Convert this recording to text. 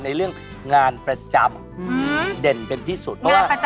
ในเรื่องงานประจำเด่นเป็นที่สุด